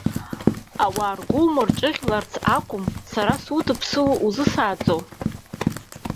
Ауаа ргәы умырҿыӷьларц акәым сара судыԥсыло узысааӡо!